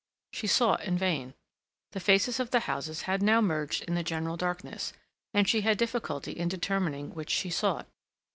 She sought in vain. The faces of the houses had now merged in the general darkness, and she had difficulty in determining which she sought.